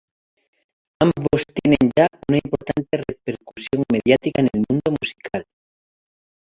Ambos tienen ya una importante repercusión mediática en el mundo musical.